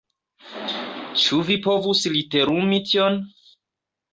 Ĉu vi povus literumi tion?